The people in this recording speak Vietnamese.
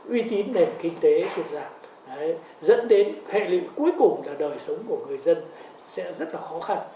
uy tín nền kinh tế sụt giảm dẫn đến hệ nguyện cuối cùng là đời sống của người dân sẽ rất là khó khăn